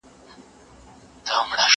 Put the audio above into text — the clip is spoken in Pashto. کېدای سي کتابتون ليری وي!